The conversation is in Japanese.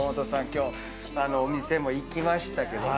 今日お店も行きましたけども。